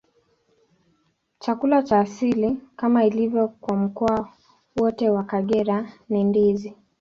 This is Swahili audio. Chakula cha asili, kama ilivyo kwa mkoa wote wa Kagera, ni ndizi.